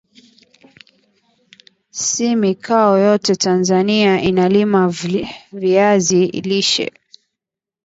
Si mikoa yote Tanzania inalima VIazi lishe